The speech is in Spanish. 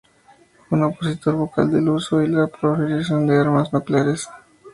Fue un opositor vocal del uso y la proliferación de las armas nucleares.